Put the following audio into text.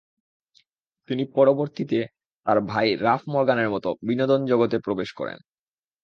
তিনি পরবর্তীতে তার ভাই রাফ মরগানের মত বিনোদন জগতে প্রবেশ করেন।